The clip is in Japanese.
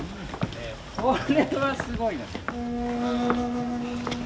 これはすごい。